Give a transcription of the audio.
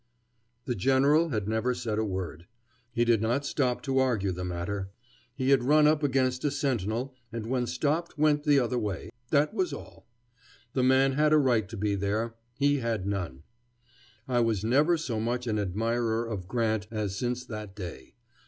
The General said never a word. He did not stop to argue the matter. He had run up against a sentinel, and when stopped went the other way. That was all. The man had a right to be there; he had none. I was never so much an admirer of Grant as since that day.